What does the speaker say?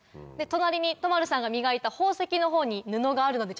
隣に都丸さんが磨いた宝石のほうに布があるので。